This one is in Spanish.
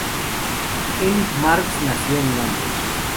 Enid Marx nació en Londres.